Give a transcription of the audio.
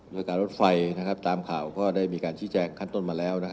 โดยการรถไฟตามข่าวก็ได้มีการชี้แจงขั้นต้นมาแล้ว